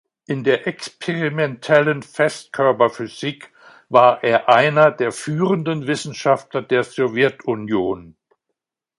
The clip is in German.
In der experimentellen Festkörperphysik war er einer der führenden Wissenschaftler der Sowjetunion.